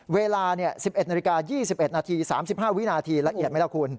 เวลา๑๑นาฬิกา๒๑นาที๓๕วินาทีละเอียดไหมล่ะคุณ